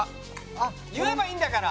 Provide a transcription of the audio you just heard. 「言えばいいんだから」